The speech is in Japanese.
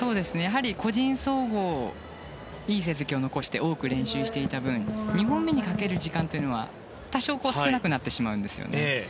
個人総合でいい成績を残して多く練習していた分２本目にかける時間は多少少なくなってしまうんですね。